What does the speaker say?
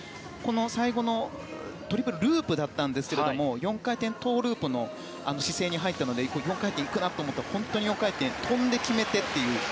最後のトリプルループでしたが４回転トウループの姿勢に入ったので４回転、行くなと思ったら本当に４回転跳んで決めてっていう。